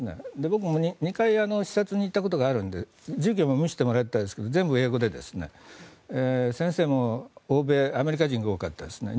僕も２回視察に行ったことがあるので授業も見せてもらったんですが全部、英語で、先生も欧米アメリカ人が多かったですね。